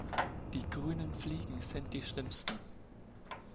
Die grünen Fliegen sind die schlimmsten.